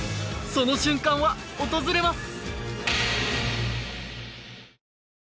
その瞬間は訪れます